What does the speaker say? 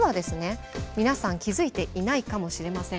皆さん気付いていないかもしれません。